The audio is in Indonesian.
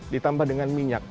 ditambah dengan minyak